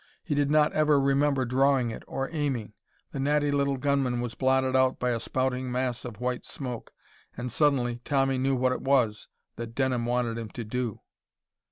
He did not ever remember drawing it or aiming. The natty little gunman was blotted out by a spouting mass of white smoke and suddenly Tommy knew what it was that Denham wanted him to do.